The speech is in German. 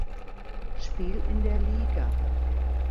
Spiel in der Liga.